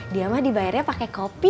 dia mah dibayarnya pakai kopi